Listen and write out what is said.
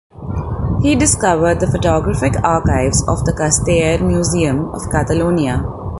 He discovered the photographic archives of the Casteller Museum of Catalonia.